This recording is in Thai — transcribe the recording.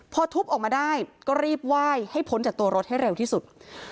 พอทุบออกมาได้ก็รีบไหว้ให้พ้นจากตัวรถให้เร็วที่สุด